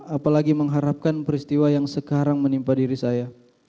apalagi mengharapkan peristiwa yang sekarang menimpa diri saya